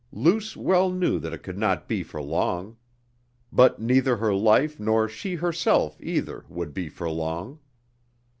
Luce well knew that it could not be for long. But neither her life nor she herself, either, would be for long....